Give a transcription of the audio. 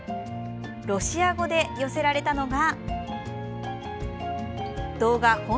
ロシア語で寄せられたのが。